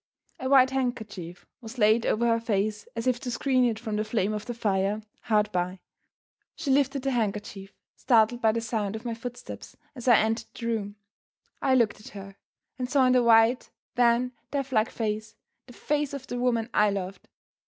A white handkerchief was laid over her face as if to screen it from the flame of the fire hard by. She lifted the handkerchief, startled by the sound of my footsteps as I entered the room. I looked at her, and saw in the white, wan, death like face the face of the woman I loved!